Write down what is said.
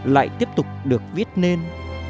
lại tiếp tục được viết lên